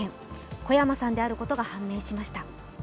小山さんであることが判明しました。